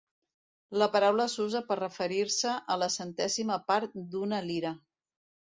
La paraula s'usa per referir-se a la centèsima part d'una lira.